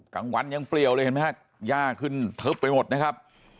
กลางวันนึงเปรี้ยวเลยยากขึ้นเทิบเป็นหมดนะครับ